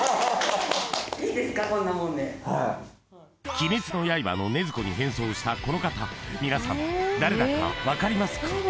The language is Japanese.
「鬼滅の刃」の禰豆子に変装したこの方皆さん誰だか分かりますか？